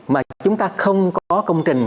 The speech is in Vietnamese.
mà chúng ta không có công trình